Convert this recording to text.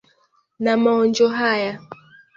Na maonjo haya.